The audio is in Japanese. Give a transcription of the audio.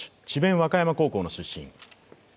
和歌山高校の出身。